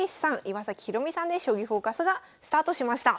岩崎ひろみさんで「将棋フォーカス」がスタートしました。